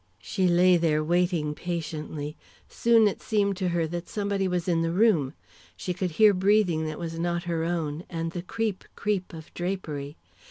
She lay there waiting patiently. Soon it seemed to her that somebody was in the room. She could hear breathing that was not her own, and the creep, creep of drapery.